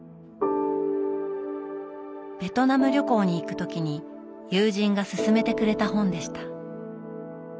ベトナム旅行に行く時に友人がすすめてくれた本でした。